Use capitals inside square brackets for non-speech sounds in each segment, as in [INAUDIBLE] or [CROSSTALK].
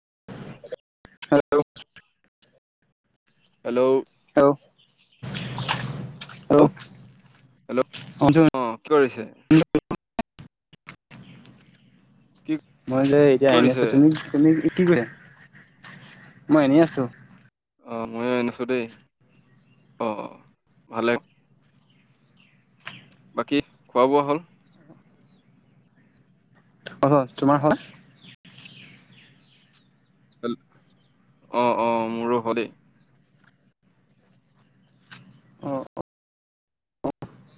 [INAUDIBLE] Hello hello. আহ আহ। Hello, অ' কি কৰিছে? শুনিছোঁ কি মই যে এতিয়া এনে আছো কৰিছে তুমি তুমি কিকৈলা মই এনেই আছো। অ মই এনেই আছো দেই অ অ ভালে বাকী খোৱা বোৱা হ'ল। অহ তোমাৰ হ'ল হেল অ অ মোৰো হ'লেই। অ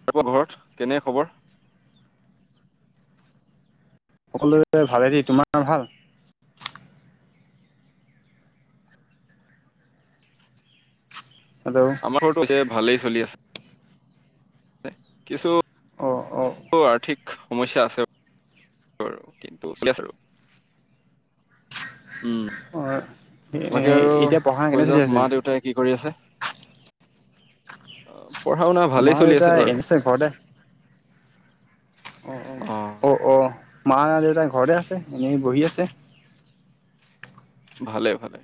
তাৰপা ঘৰত কেনে খবৰ? সকলোৰে ভালে দেই তোমাৰ ভাল? হেল্ল' আমাৰ ঘৰতো হৈছে ভালেই চলি আছে। কিছু অ অ ব আৰ্থিক সমস্যা আছে, বাৰু কিন্তু চলি আছে আৰু। উম অ। এ বাকী আৰু এতিয়া পঢ়া কৈ কেনে চলি যাওক আছে মা দেউতাই কি কৰি আছে। পঢ়া শুনা মা ভালেই চলি দেউতা আছে বাৰু এনে ঘৰতে অ অ অ মা দেউতাই ঘৰে আছে এনেই বহি আছে ভালে ভালে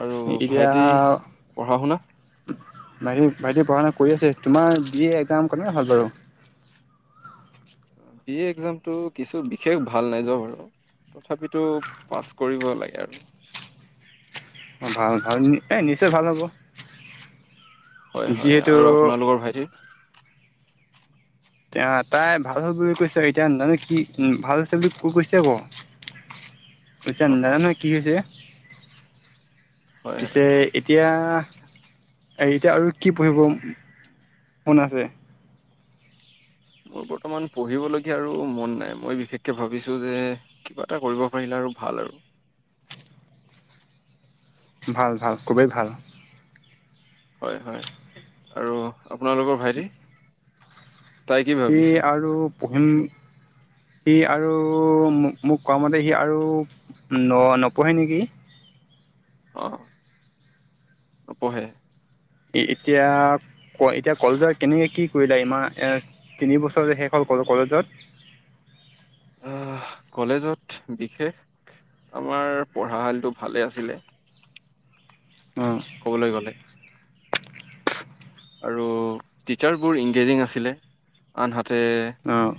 আৰু এতিয়া ভাইটি আও পঢ়া শুনা ভাইট ভাইটি পঢ়া শুনা কৰি আছে তোমাৰ বি এ একজাম কেনেকোৱা হ'ল বাৰু? বিএ একজামটো কিছু বিশেষ ভাল নাই যোৱা মোৰ। তথাপিতো পাছ কৰিব লাগে আৰু। ভাল ভাল এই নিশ্চয় ভাল হ'ব। হয় হয় যিহেতু আৰু আপোনালোকৰ ভাইটিৰ এ তাই ভাল হল বুলি কৈছে এতিয়া জানো কি ভাল হৈছে বুলি ক কৈছে আকৌ। এতিয়া অ অ নাজানে কি হৈছে? হয় পিছে হয় এতিয়া এতিয়া আৰু কি পঢ়িব মন আছে? হয় মোৰ [INAUDIBLE] বৰ্তমান পঢ়িবলগীয়া আৰু মন নাই মই বিশেষকে ভাবিছো যে কিবা এটা কৰিব পাৰিলে আৰু ভাল আৰু- হয় ভাল ভাল খুবেই ভাল- হয়-হয় আৰু আপোনালোকৰ ভাইটি? তাই কি সি ভাবিছে আৰু পঢ়িম সি আৰু মো-মোক কোৱা মতে সি আৰু ন-নপঢ়ে নেকি? অ! নপঢ়ে। এ-এতিয়া এতিয়া কলেজত কেনেকৈ কি কৰিলে ইমান তিনিবছৰ যে শেষ হ'ল কলেজত- উ [INAUDIBLE] আহ! কলেজত বিশেষ আমাৰ পঢ়াশালিটো ভালে আছিলে। অঁ কবলৈ গ'লে আৰু টিচাৰবোৰ ইংগেজিং আছিলে আনহাতে অঁ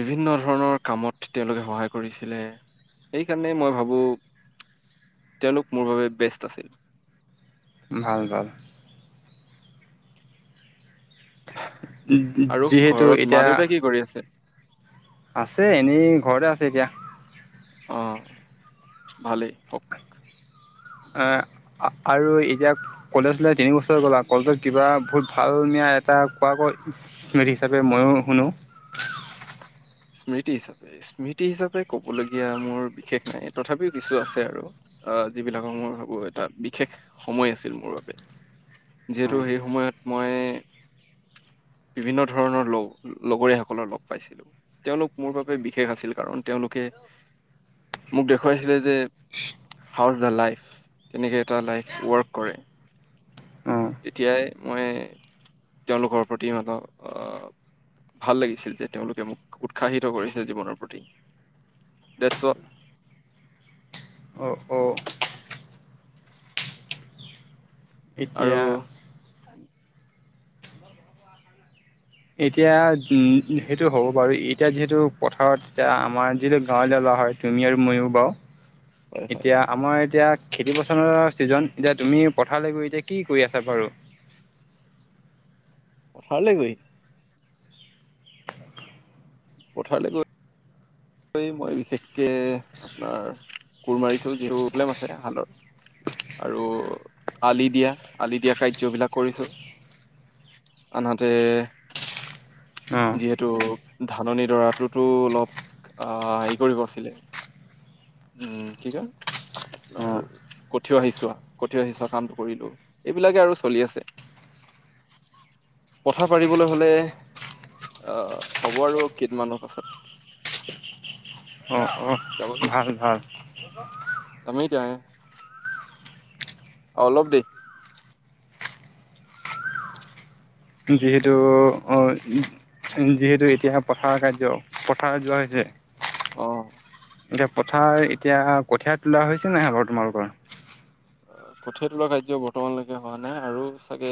বিভিন্ন ধৰণৰ কামত তেওঁলোকে সহায় কৰিছিলে। সেইকাৰণে মই ভাবো তেওঁলোক মোৰ বাবে বেষ্ট আছিল ভাল ভাল আৰু যি-যি-যিহেতু ঘৰত মা এতিয়া দেউতাই কি কৰি আছে? আছে এনেই ঘৰতে আছে এতিয়া। অ ভালেই হওক এ আৰু এতিয়া কলেজ লাইভ তিনি বছৰ গ'ল আও কলেজত কিবা বহুত ভাল মিয়া এটা কোৱা ক স্মৃতি হিচাপে ময়ো শুনো? স্মৃতি হিচাপে, স্মৃতি হিচাপে কবলগীয়া মোৰ বিশেষ নাই তথাপিও কিছু আছে আৰু। আহ যিবিলাকৰ মই ভাবো এটা বিশেষ সময় আছিল মোৰ বাবে- যিহেতু সেই সময়ত মই বিভিন্ন ধৰণৰ লগ-লগৰীয়াসকলৰ লগ পাইছিলো। তেওঁলোক মোৰ বাবে বিশেষ আছিল কাৰণ তেওঁলোকে মোক দেখুৱাইছিলে যে হাউজ দা লাইফ কেনেকে এটা লাইফ ৱৰ্ক কৰে। অঁ তেতিয়াই মই তেওঁলোকৰ প্ৰতি মানহ আহ ভাল লাগিছিল যে তেওঁলোকে মোক উৎসাহিত কৰিছে জীৱনৰ প্ৰতি। ডেট চল। অ-অ আৰু এতিয়া। হয় এতিয়া উম সেইটো হ'ব বাৰু এতিয়া যিহেতু পথাৰত এতিয়া আমাৰ যিহেতটো গাঁৱলীয়া ল'ৰা হয় তুমি আৰু ময়ো বাৰু হয় এতিয়া আমাৰ এতিয়া খেতি পথাৰৰ ছিজন এতিয়া তুমি পথাৰলৈ গৈ এতিয়া কি কৰি আছা বাৰু পথাৰলৈ গৈ? পথাৰলৈ গৈ মই বিশেষকে আপোনাৰ কোৰ মাৰিছো যিহেতু প্ৰব্লেম আছে হাল বোৱাৰ আৰু আলি দিয়া আলি দিয়া কাৰ্য বিলাক কৰিছো। আনহাতে অঁ যিহেতু ধাননি দৰাটোতো অলপ আ হেৰি কৰিব আছিলে। [INAUDIBLE] উম কি কয়- অঁ কঠিয়া সিছোৱা কঠিয়া সিচোৱা কামটো কৰিলো এইবিলাকে আৰু চলি আছে। [INAUDIBLE] পথা পাৰিবলৈ হলে আহ হ'ব আৰু কেইদিনমানৰ পাছত। অঁ অঁ যাব লাগিব, ভাল ভাল যায়েই এতিয়া এ আও অলপ দেই যিহেতু অ উম যিহেতু এতিয়া পথাৰ কাৰ্য, পথাৰত যোৱা হৈছে। অ এতিয়া পথাৰ এতিয়া কঠিয়াত, তোলা হৈছে নাই তোমালোকৰ- কঠিয়া তলোৱা কাৰ্য বৰ্তমানলৈকে হোৱা নাই আৰু চাগে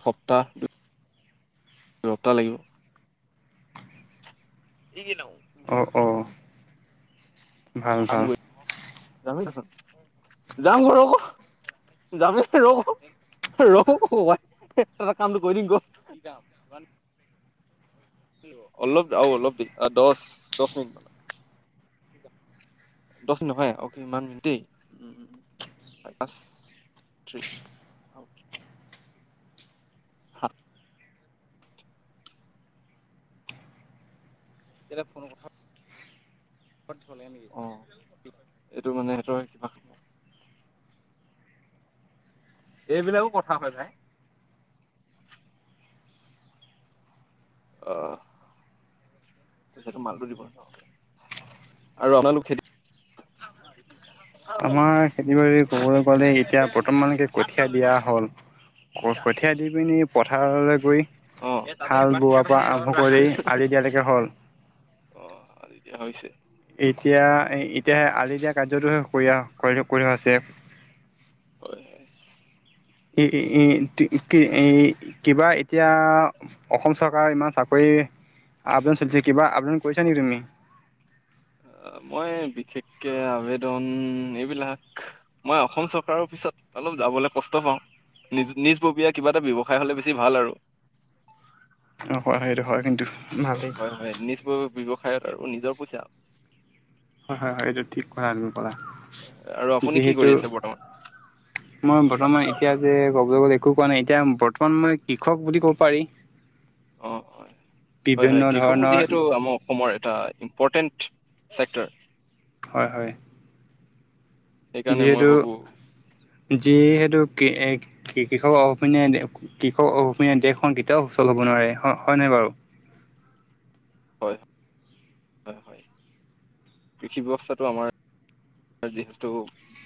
এসপ্তাহ দুসপ্তাহ লাগিব। ই কি নাও অ', অ', ভাল ভাল- যামগৈ যামেই দেখোন, যাম ক ৰ ক, যামেই ৰ ক ৰহ ক ককাই টা কামটো কৰি দিঙ ক অলপ আৰু অলপ দছ, দছ মিটাৰ মান দহ মিনিট হয় অ কিমান মিনিট দেই উ পচ [UNINTELLIGIBLE] সাত কেলে ফোনত কথা থ নেকি অ এইটো মানে সেতই কিবা এইবিলাকো কথা হয় ভাই। অহ। এইটো মালটো দিব ন আৰু আপোনালোক খেতি কম [UNINTELLIGIBLE] আমাৰ খেতি, বাতি কবলৈ গ'লে এতিয়া বৰ্তমানকে কঠীয়া দিয়া হ'ল- ক কঠীয়া দি পিনি প থাৰলৈ গৈ অ', হাল বোৱাৰ পৰা আৰম্ভ কৰি আলি দিয়ালৈকে হ'ল- অ এতিয়া হৈছে। এতিয়া এ এতিয়াহে আজি দিয়া কাৰ্যতো হে কৰি-কৰি থকা হৈছে। হয় হয় এ কি এ কিবা এতিয়া অসম চৰকাৰ ইমান চা কৰি আবদাউন চলিছে কিবা আবদাউন কৰিছা নেকি তুমি মই বিশেষকে আবেদন এইবিলাক মই অসম চৰকাৰৰ পিছত অলপ- যাবলৈ কষ্ট পাওঁ নিজ নিজ ববীয়া কিবা এটা ব্যৱসায় হলে বেছি ভাল আৰু- অ হয় সেইটো হয় কিন্তু। ভালেই। হয় হয় নিজ ব্য ব্যৱসায়ত আৰু নিজৰ পইচা। হয় হয় হয় এইটো ঠিক কথা তুমি কলা আৰু আপুনি কি কৰি যিহেতু- আছে বৰ্তমান মই বৰ্তমান এতিয়া যে ক'বলৈ গ'লে- একো কোৱা নাই এতিয়া বৰ্তমান মই কৃষক বুলি ক'ব পাৰি। অ অ হয় বিভিন্ন হয় কৃষকো ধৰণৰ যিহেতু আমাৰ অসমৰে এটা ইম্পৰ্টেণ্ট চেপ্তাৰ। হয়-হয়। সেইকাৰণে মই ভাবো যিহেতু কৃষক অপিনা কৃষক অপিনা দেশখন কেতিয়াও সুচল হ'ব হয় হয় নাই বাৰু হয় হয় হয় কৃষি ব্যৱস্থাটো আমাৰ যিহেতু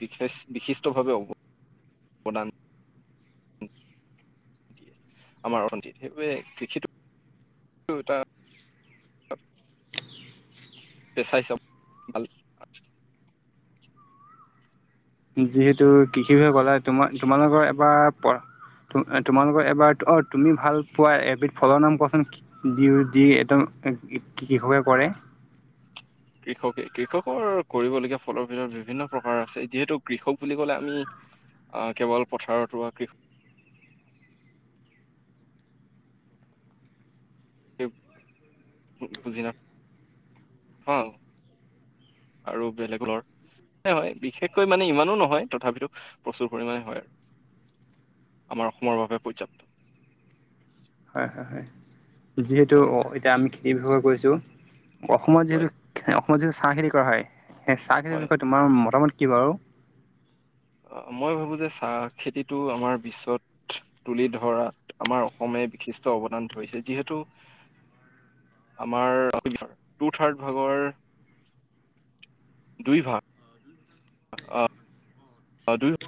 বিশেচ বিশিষ্টভাৱে অৱদান আমাৰ অতিত সেইবাবে কৃষিটো এটা, পেচাই চব ভাল যিহেতু কৃষি বিভাগে কলে তোমাৰ তোমালোকৰ এবাৰ পঢ তোমালোকৰ এবাৰ অ তুমি ভাল পোৱা এবিধ ফলৰ নাম কোৱাচোন দি দি একদম কৃষকে কৰে কৃষকে কৃষকৰ কৰিবলগীয়া ফলৰ ভিতৰত বিভিন্ন প্ৰকাৰৰ আছে যিহেতু কৃষক বুলি কলে আমি অহ কেৱল পথাৰত ৰোৱা কৃষ [INAUDIBLE] সে বুজি না হ'য়। আৰু বেলেগৰ ন হয় বিশেষকৈ মানে ইমানো নহয় তথাপিতো প্ৰচুৰ পৰিামানে হয় আৰু আমাৰ অসমৰ বাবে পৰ্যাপ্ত। হয় হয় হয় যিহেতু হয় এতিয়া আমি খেতি ব্যৱহাৰ কৰিছোঁ। অসমত হয় যিহেতু অসমত যিহেটো চাহ খেতি কৰা হয় সেই চাহ খেতিৰ হয় বিষয়ে তোমাৰ মতামত? কি বাৰু? অ মই ভাবো যে চাহ খেতিটো আমাৰ বিশ্বত তুলি ধৰাত আমাৰ অসমীয়া বিশিষ্ট অৱদান ধৰিছে যিহেতু [INAUDIBLE] আমাৰ টু থাৰ্ড ভাগৰ দুই ভাগ অ দুই দুই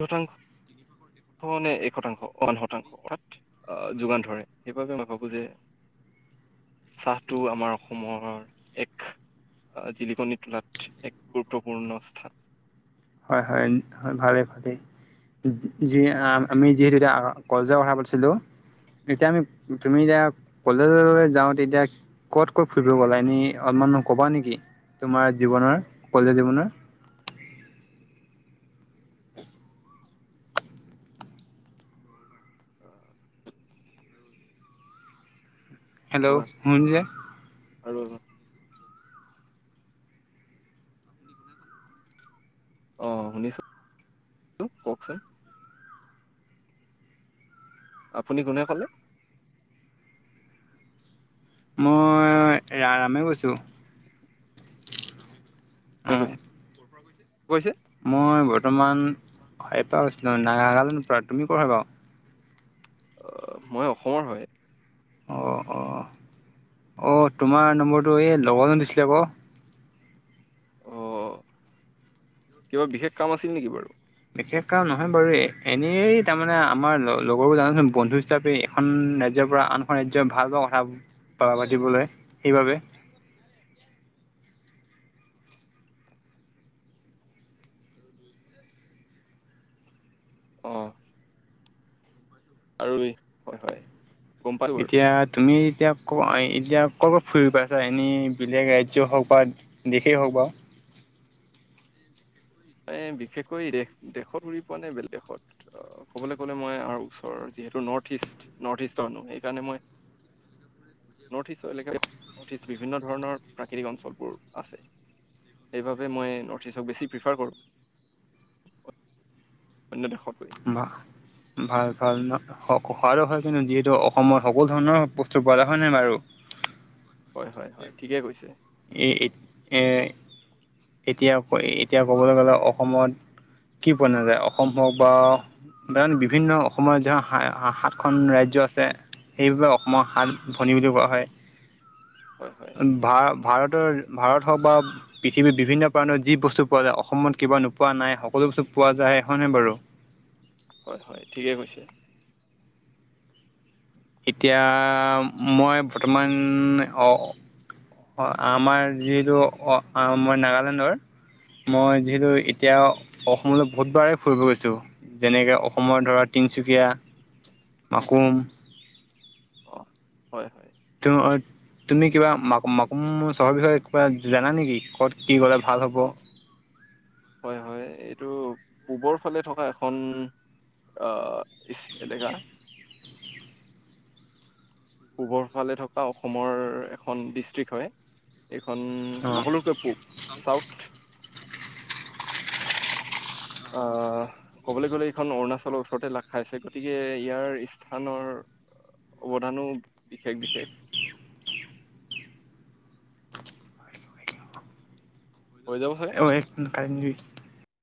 শতাংশ নে এক শতাংশ ওৱান শতাংশ বাত আহ যোগান ধৰে সেইবাবে মই ভাবো যে [INAUDIBLE] চাহটো আমাৰ অসমৰ এক আহ জিলিকনি তোলাত এক গুৰুত্বপূৰ্ণ স্থান। হয় হয় ভালে ভালে। য আমি যিহেতু এতিয়া কলেজ'অ কথা পাতিছিলো। এতিয়া আমি তুমি এতিয়া কলেজলৈ যাও তেতিয়া কত ক'ত ফুৰিব গ'লা এনে অলপ মানে ক'বা নেকি, তোমাৰ জীৱনৰ কলেজ জীৱনৰ? [INAUDIBLE] হেল্ল' হয় শু শুনিছে? আৰু। অহ শুনিছো কওঁকচোন? আপুনি কোনে ক'লে? মই ৰা ৰামে কৈছোঁ কোনে আহ। কৈছে কৈছে। মই বৰ্তমান সাইপা হৈছিলোঁ নাগালেণ্ড পৰা তুমি ক' হয় বাৰ? অ, মই অসমৰ হয়। অঁ অঁ অঁ, তোমাৰ নম্বৰটো এই লগৰজনে দিছিলে আক অ কিবা বিশেষ কাম আছিল নেকি বাৰু? বিশেষ কাম নহয় বাৰু এ এনেই তাৰমানে আমাৰ ল লগৰবোৰ জানচোন বন্ধু হিচাপে এখন ৰাজ। ৰাজ্যৰ পৰা আনখন ৰাজ্যৰ ভাল পোৱা কথা পাতিবলৈ সেইবাবে হ [UNINTELLIGIBLE] আহ। আৰু হয় হয়। গম পালো বাৰু এতিয়া তুমি এতিয়া এতিয়া ক'ৰবাত ফুৰি পাইছা এনেই বেলেগ ৰাজ্যই হওঁক বা দেশেই হওঁক বাৰু? এ বিশেষকৈ দেশ দেশত ঘূৰি পোৱা নাই, বেলেগ দেশত অ কবলৈ গলে মইাৰ ওচৰৰ যিহেতু নৰ্থইষ্ট নৰ্থইষ্ট'নহ সেইকাৰণে মই [UNINTELLIGIBLE] নৰ্থ ইষ্টৰ এলেকাত নৰ্থ ইষ্ট বিভিন্ন ধৰণৰ প্ৰাকৃতিক অঞ্চলবোৰ আছে। সেইবাবে মই নৰ্থ ইষ্টক বেছি প্ৰিফাৰ কৰোঁ। অন্য দেশত ভা কাৰো হয় কিন্তু যিহেতু অসমত সকলো ধৰণৰ বস্তু পৰা হয় নাই বাৰু? হয় হয় হয় ঠিকে কৈছে এই এ। এতিয়া ক এতিয়া ক'বলৈ গলে অসমত কি পোৱা নাযায় অসম হওক বা। সাধাৰণ বিভিন্ন অসমৰ জা সাতখন ৰাজ্য আছে। সেইবাবে অসমৰ সাত ভনী বুলি কোৱা হয়। হয় হয় ভাৰতৰ ভাৰত হওক বা পৃথৱীৰ বিভিন্ন কাৰণত যি বস্তু পোৱা যায় অসমত কিবা নোপোৱা নাই। সকলো বস্তু পোৱা যায় হয় নাই বাৰু? হয় হয় ঠিকে কৈছে এতিয়া মই বৰ্তমান অ অ, আমাৰ যিহেতু অ আমাৰ নাগালেণ্ডৰ মই যিহেতু এতিয়া অসমলৈ বহুতবাৰে ফুৰিব গৈছো। যেনেকৈ অসমৰ ধৰা তিনিচুকীয়া, মাকুম অ হয় হয়। অ, তুমি কিবা মা মাকুম চহৰ বিষয়ে কিবা জানা নেকি ক'ত কি কলে ভাল হ'ব,? অ হয় হয় এইটো পূৱৰ ফালে থকা এখন আহ ই'ছ এনেকা? পূবৰ ফালে থকা অসমৰ এখন ডিষ্ট্ৰিক্ট হয়। এইখন অ' সকলোতকৈ পূব চাউথ। অ কবলৈ গ'লে এইখন অৰুণাচলৰ ওচৰতে লাখ খাইছে গতিকে ইয়াৰ স্থানৰ- অৱদানো বিশেষ -বিশেষ। [UNINTELLIGIBLE] হৈ যাব চাগে? [UNINTELLIGIBLE]